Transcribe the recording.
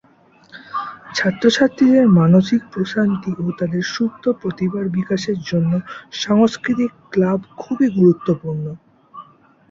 ছাত্র-ছাত্রীদের মানসিক প্রশান্তি ও তাদের সুপ্ত প্রতিভা বিকাশের জন্য সাংস্কৃতিক ক্লাব খুবই গুরুত্বপূর্ণ।